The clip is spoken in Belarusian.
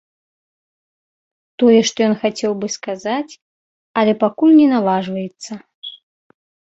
Тое, што ён хацеў бы сказаць, але пакуль не наважваецца.